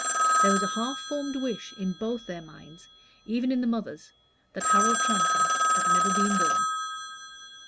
There was a half formed wish in both their minds even in the mother's that Harold Transome had never been born.